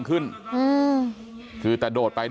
พวกเก่งเราชนะ